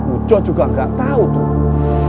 ujo juga gak tau tuh